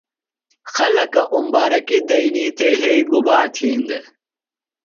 خلکہ اُمبارکیۡ دئینی تھےۡ یھئی گُبا تِھین دےۡ ؟